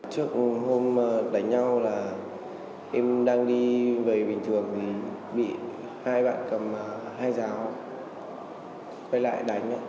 trước hôm đánh nhau là em đang đi về bình thường thì bị hai bạn cầm hai giáo quay lại đánh